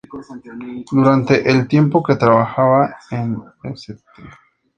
Durante el tiempo que trabajaba en St.